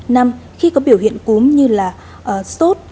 năm khi có biểu hiện cúm như là sốt